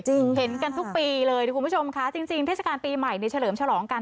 เห็นกันทุกปีเลยคุณผู้ชมค่ะจริงเทศกาลปีใหม่ในเฉลิมฉลองกัน